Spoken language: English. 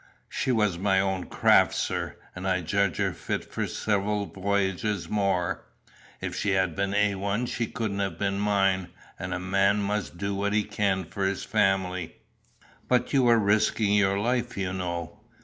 "She was my own craft, sir, and I judged her fit for several voyages more. If she had been A 1 she couldn't have been mine; and a man must do what he can for his family." "But you were risking your life, you know."